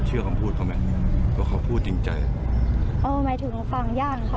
เชื่อความพูดเขามั๊ยก็เขาพูดจริงใจโอ้ยหมายถึงฟังย่างเขาครับ